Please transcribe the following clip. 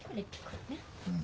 うん。